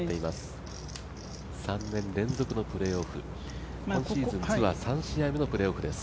３年連続のプレーオフ、今シーズンツアー３試合目のプレーオフです。